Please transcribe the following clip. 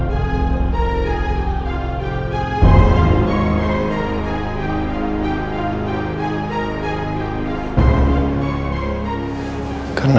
tidak bisa mencari anda